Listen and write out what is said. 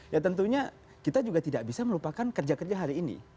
ya tentunya kita juga tidak bisa melupakan kerja kerja hari ini